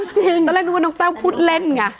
ต้องเล่นดูว่าน้องแต้วพูดเล่นไง